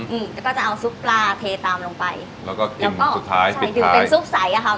อืมอืมแล้วก็จะเอาซุปปลาเทตามลงไปแล้วก็กินสุดท้ายใช่ดื่มเป็นซุปใสอ่ะค่ะ